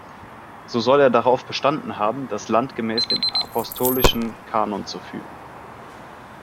So soll er darauf bestanden haben, das Land gemäß dem apostolischen Kanon zu führen.